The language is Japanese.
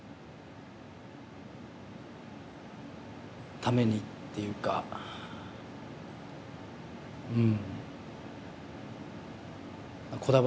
ためにっていうかうん。